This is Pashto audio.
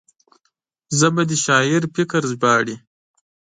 ژبه د شاعر فکر ژباړوي